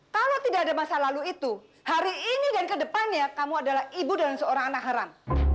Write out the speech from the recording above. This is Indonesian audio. kalau tidak ada masa lalu itu hari ini dan kedepannya kamu adalah ibu dan seorang anak haram